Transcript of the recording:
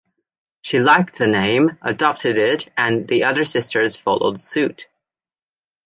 She liked the name, adopted it, and the other sisters followed suit.